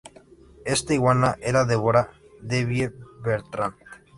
Esta Iguana era Deborah "Debbie" Bertrand.